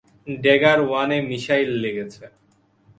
Dagger ওয়ানে missile লেগেছে!